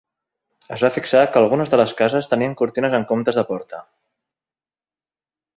Es va fixar que algunes de les cases tenien cortines en comptes de porta.